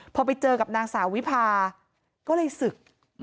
พอไปเจอกับนางสาววิพาก็เลยศึก